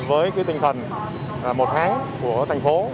với tinh thần một tháng của thành phố